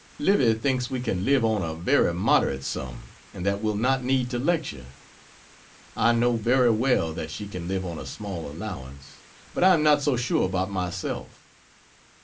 Livy thinks we can live on a very moderate sum and that we'll not need to lecture. I know very well that she can live on a small allowance, but I am not so sure about myself.